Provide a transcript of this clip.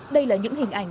đây là những hình ảnh